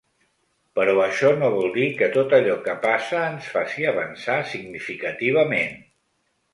Però això no vol dir que tot allò que passa ens faci avançar significativament.